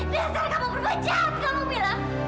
dasar kamu perempuan jahat kamu mila